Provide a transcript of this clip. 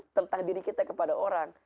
tentang diri kita kepada orang